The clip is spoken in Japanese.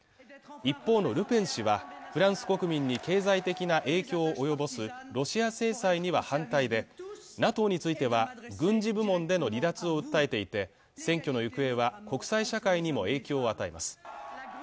一方のルペン氏はフランス国民に経済的な影響を及ぼすロシア制裁には反対でＮＡＴＯについては軍事部門での離脱を訴えていて選挙の行方は国際社会にも影響を与えます